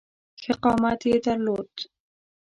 ښه قامت یې درلود.